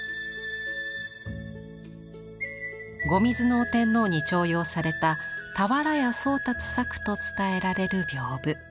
後水尾天皇に重用された俵屋宗達作と伝えられる屏風。